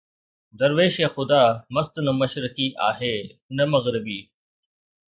درويش خدا مست نه مشرقي آهي نه مغربي